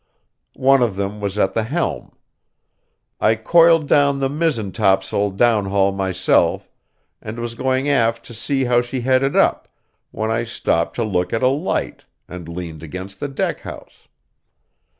One of them was at the helm. I coiled down the mizzen topsail downhaul myself, and was going aft to see how she headed up, when I stopped to look at a light, and leaned against the deck house.